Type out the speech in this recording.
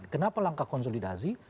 kenapa langkah konsolidasi